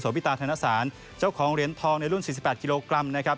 พิตาธนสารเจ้าของเหรียญทองในรุ่น๔๘กิโลกรัมนะครับ